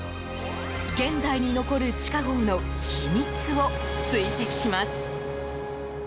現代に残る地下壕の秘密を追跡します。